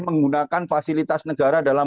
menggunakan fasilitas negara dalam